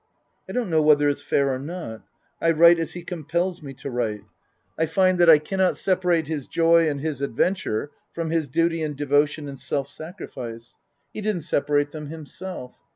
I don't know whether it's fair or not. I write as he compels me to write. I find that I cannot separate his joy and his adventure from his duty and devotion and self sacrifice ; he didn't separate them himself.